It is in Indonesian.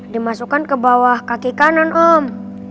dimasukkan ke bawah kaki kanan om